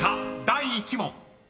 第１問］